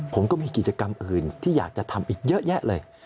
ผมก็มีกิจกรรมอื่นที่อยากจะทำอีกเยอะแยะเลย